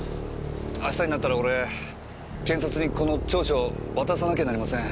明日になったら俺検察にこの調書を渡さなきゃなりません。